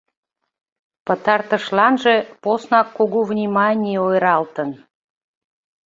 Пытартышланже поснак кугу вниманий ойыралтын.